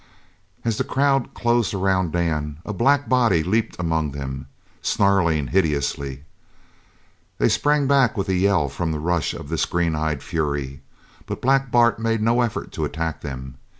As the crowd closed around Dan, a black body leaped among them, snarling hideously. They sprang back with a yell from the rush of this green eyed fury; but Black Bart made no effort to attack them.